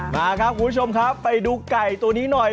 มาครับคุณผู้ชมครับไปดูไก่ตัวนี้หน่อย